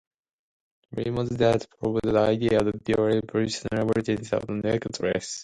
Raymond Dart proposed the idea of dual evolutionary origins of the neocortex.